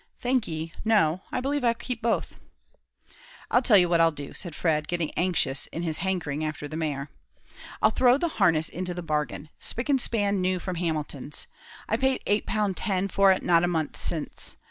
"Thank ye, no; I believe I'll keep both." "I'll tell you what I'll do," said Fred, getting anxious in his hankering after the mare, "I'll throw the harness into the bargain spick and span new from Hamilton's. I paid eight pound ten for it not a month since.